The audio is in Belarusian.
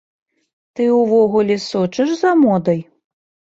Ты ўвогуле сочыш за модай?